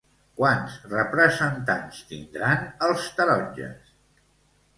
Quants representants tindran els taronges?